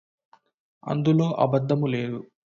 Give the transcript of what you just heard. అందులో అబద్ధము లేదు